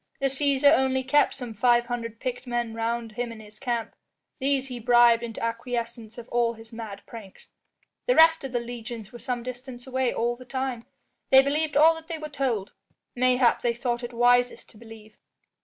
"The Cæsar only kept some five hundred picked men round him in his camp. These he bribed into acquiescence of all his mad pranks. The rest of the legions were some distance away all the time. They believed all that they were told; mayhap they thought it wisest to believe."